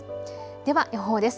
では予報です。